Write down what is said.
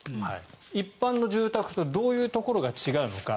一般の住宅とどういうところが違うのか。